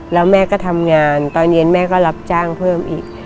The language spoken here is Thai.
แล้วแม่ก็ทำงานตอนเย็นแม่ก็รับจ้างเพิ่มอีก